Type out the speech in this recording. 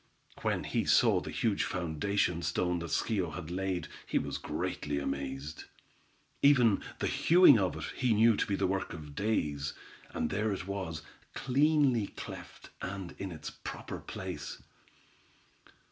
When he saw the huge foundation stone that Schio had laid, he was greatly amazed. Even the hewing of it, he knew to be the work of days, and there it was, cleanly cleft, and in its proper place.